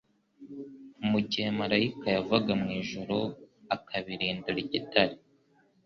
Mu gihe marayika yavaga mu ijuru akabirindura igitare